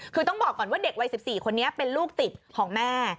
คือต้องบอกก่อนว่าเด็กวัย๑๔คนนี้เป็นลูกติดของแม่